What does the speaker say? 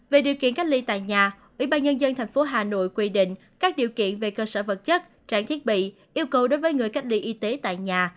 về điều kiện cách ly tại nhà ủy ban nhân dân tp hà nội quy định các điều kiện về cơ sở vật chất trang thiết bị yêu cầu đối với người cách ly y tế tại nhà